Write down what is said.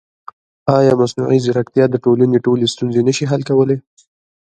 ایا مصنوعي ځیرکتیا د ټولنې ټولې ستونزې نه شي حل کولی؟